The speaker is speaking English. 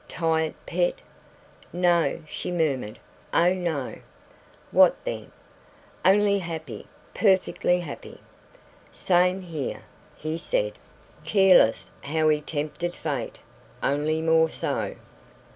"Tired, pet?" "No," she murmured, "oh, no!" "What, then?" "Only happy PERFECTLY happy." "Same here," he said, careless how he tempted Fate "only more so."